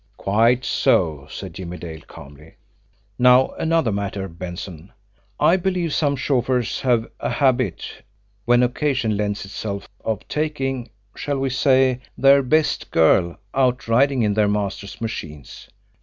"Quite so!" said Jimmie Dale calmly. "Now, another matter, Benson: I believe some chauffeurs have a habit, when occasion lends itself, of taking, shall we say, their 'best girl' out riding in their masters' machines?"